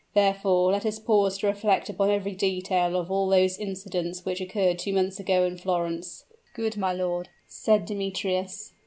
Therefore, let us pause to reflect upon every detail of all those incidents which occurred two months ago at Florence." "Good, my lord," said Demetrius.